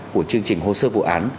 của chương trình hồ sơ vụ án